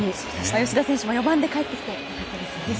吉田選手も４番で帰ってきて良かったです。